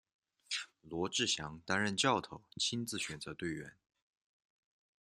罗志祥担任教头亲自选择队员。